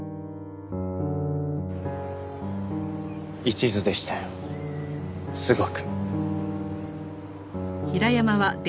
一途でしたよすごく。